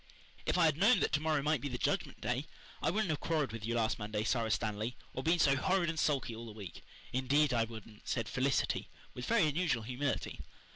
"If I had known that to morrow might be the Judgment Day I wouldn't have quarrelled with you last Monday, Sara Stanley, or been so horrid and sulky all the week. Indeed I wouldn't," said Felicity, with very unusual humility.